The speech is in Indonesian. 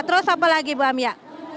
terus apa lagi bu amia